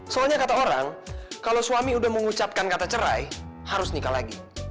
soalnya kata orang kalau suami udah mengucapkan kata cerai harus nikah lagi